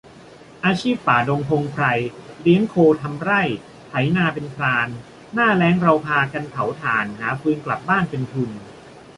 อาชีพป่าดงพงไพร เลี้ยงโคทำไร่ ไถนาเป็นพราน หน้าแล้งเราพากันเผาถ่าน หาฟืนกลับบ้านเป็นทุน